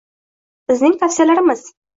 Bizning tavsiyalarimiz: